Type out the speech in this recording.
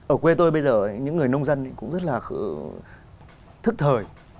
ở quê tôi bây giờ những người nông dân cũng rất là thức thời